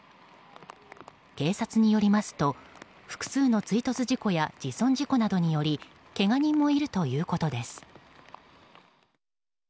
警察によりますと複数の追突事故や自損事故によりけが人もいるということです。